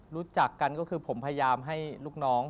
รู้จักกันก็คือผมพยายามให้ลูกน้อง